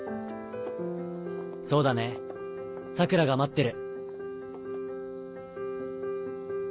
そうだね桜良が待ってる。